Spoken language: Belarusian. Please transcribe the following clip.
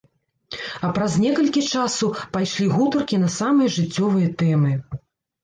А праз некалькі часу пайшлі гутаркі на самыя жыццёвыя тэмы.